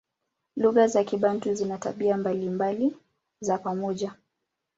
Lugha za Kibantu zina tabia mbalimbali za pamoja.